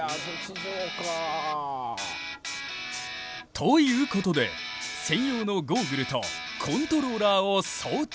ということで専用のゴーグルとコントローラーを装着。